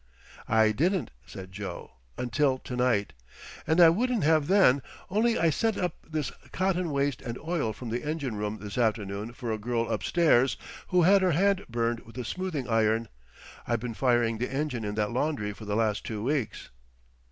"I didn't," said Joe, "until to night. And I wouldn't have then, only I sent up this cotton waste and oil from the engine room this afternoon for a girl upstairs who had her hand burned with a smoothing iron. I've been firing the engine in that laundry for the last two weeks."